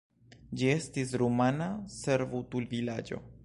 Ĝi estis rumana servutulvilaĝo.